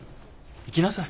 行きなさい。